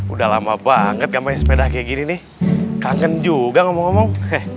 udah lama banget namanya sepeda kayak gini nih kangen juga ngomong ngomong